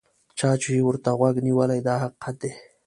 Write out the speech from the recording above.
چا چې ورته غوږ نیولی دا حقیقت دی.